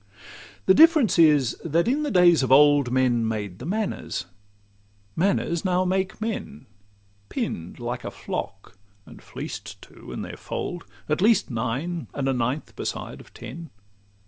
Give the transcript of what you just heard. The difference is, that in the days of old Men made the manners; manners now make men— Pinn'd like a flock, and fleeced too in their fold, At least nine, and a ninth beside of ten.